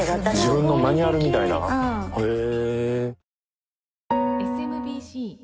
自分のマニュアルみたいなへぇ。